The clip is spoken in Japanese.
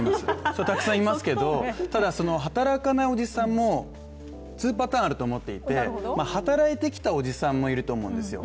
それはたくさんいますけど、ただ、「働かないおじさん」も２パターンあると思っていて働いてきたおじさんもいると思うんですよ。